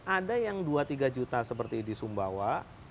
ada yang dua tiga juta seperti di sumbawa